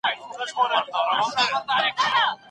املا د سواد په لاره کي روښانه ګام دی.